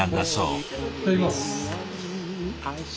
いただきます。